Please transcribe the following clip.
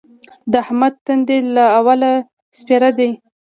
د احمد تندی له اوله سپېره دی.